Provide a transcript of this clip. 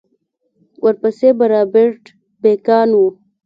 ورپسې به رابرټ بېکان و.